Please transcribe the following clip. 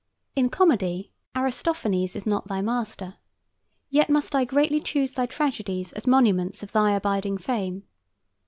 In comedy, Aristophanes is not thy master, yet must I greatly choose thy tragedies as monuments of thy abiding fame.